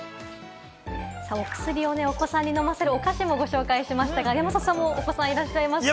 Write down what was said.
お薬をお子さんに飲ませるお菓子もご紹介しましたが、山里さんもお子さんがいらっしゃいますが。